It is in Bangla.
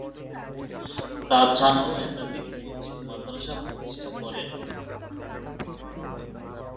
তাছাড়াও একাধিক মসজিদ মাদ্রাসা প্রতিষ্ঠা করেন।